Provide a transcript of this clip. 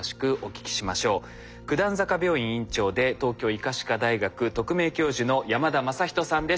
九段坂病院院長で東京医科歯科大学特命教授の山田正仁さんです。